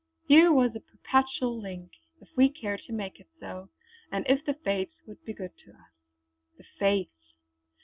Here was a perpetual link, if we cared to make it so, and if the Fates would be good to us. "The Fates!"